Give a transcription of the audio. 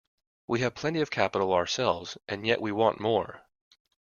We have plenty of capital ourselves, and yet we want more.